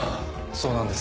そうなんです。